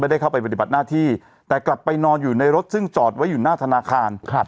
ได้เข้าไปปฏิบัติหน้าที่แต่กลับไปนอนอยู่ในรถซึ่งจอดไว้อยู่หน้าธนาคารครับ